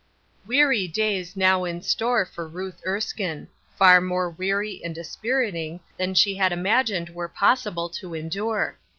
EARY days now in store for Ruth Ers kine — far more weary and dispiriting than she had imagined were possible to endure.